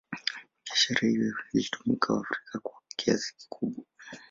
Biashara hiyo ilitumia waafrika kwa kiasi kikubwa